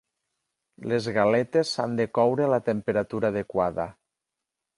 Les galetes s'han de coure a la temperatura adequada.